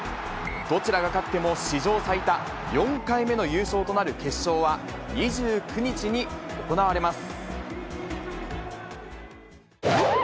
どちらが勝っても、史上最多４回目の優勝となる決勝は、２９日に行われます。